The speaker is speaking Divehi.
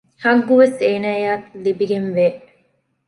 ޙައްޤުވެސް އޭނާއަށް ލިބިގެންވޭ